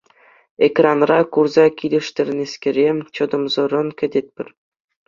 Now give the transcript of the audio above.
Экранра курса килӗштернӗскере чӑтӑмсӑррӑн кӗтетпӗр.